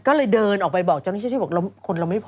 ก็เลยเดินออกไปบอกเจ้าหน้าที่ที่บอกคนเราไม่พอ